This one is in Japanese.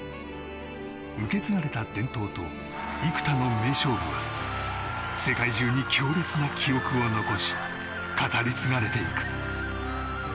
受け継がれた伝統と幾多の名勝負は世界中に強烈な記憶を残し語り継がれていく。